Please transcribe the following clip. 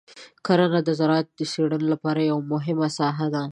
کرنه د زراعتي څېړنو لپاره مهمه ساحه ده.